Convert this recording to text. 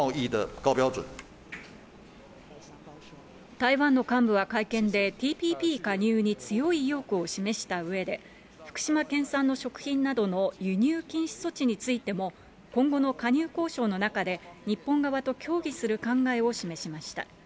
台湾の幹部は会見で、ＴＰＰ加入に強い意欲を示したうえで、福島県産の食品などの輸入禁止措置についても、今後の加入交渉の中で、日本側と協議する考えを示しました。